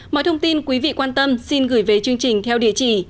mọi thông tin quý vị quan tâm xin gửi về chương trình theo địa chỉ